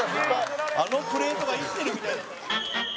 あのプレートが生きてるみたいだった。